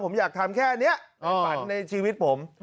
ผมอยากทำแค่นี้ความฝันในชีวิตผม